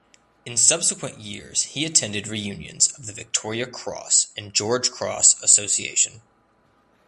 In subsequent years he attended reunions of the Victoria Cross and George Cross Association.